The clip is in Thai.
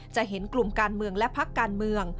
จะเห็นกลุ่มการเมืองและพักการเมือง